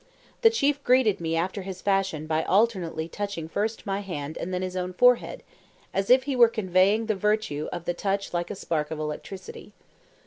The chief greeted me after his fashion by alternately touching first my hand and then his own forehead, as if he were conveying the virtue of the touch like a spark of electricity.